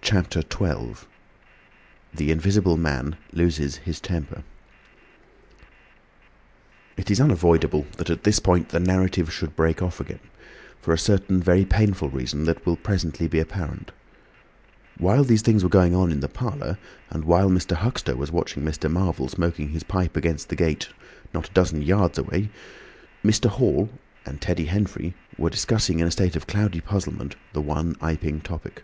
CHAPTER XII. THE INVISIBLE MAN LOSES HIS TEMPER It is unavoidable that at this point the narrative should break off again, for a certain very painful reason that will presently be apparent. While these things were going on in the parlour, and while Mr. Huxter was watching Mr. Marvel smoking his pipe against the gate, not a dozen yards away were Mr. Hall and Teddy Henfrey discussing in a state of cloudy puzzlement the one Iping topic.